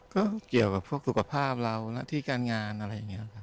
ก็เกี่ยวกับพวกสุขภาพเราหน้าที่การงานอะไรอย่างนี้ครับ